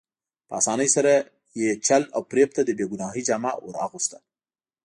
په اسانۍ سره یې چل او فریب ته د بې ګناهۍ جامه ور اغوسته.